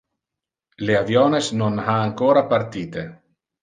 Le aviones non ha ancora partite.